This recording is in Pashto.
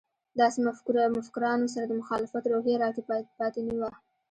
داسې مفکرانو سره د مخالفت روحیه راکې پاتې نه وه.